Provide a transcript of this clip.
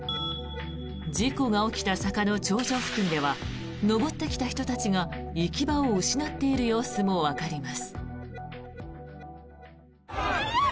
事故が起きた坂の頂上付近では上ってきた人たちが行き場を失っている様子もわかります。